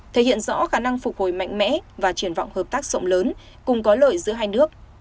thể hiện rõ khả năng phục hồi mạnh mẽ và triển vọng hợp tác rộng lớn cùng có lợi giữa hai nước